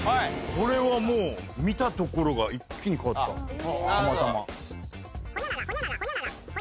これはもう見たところが一気に変わったたまたま。